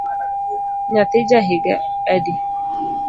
Nyathi ja higa adi?